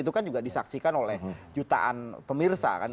itu kan juga disaksikan oleh jutaan pemirsa kan